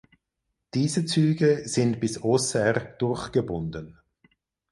Diese Züge sind bis Auxerre durchgebunden.